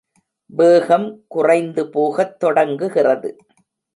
வேகம் குறைந்து போகத் தொடங்குகிறது.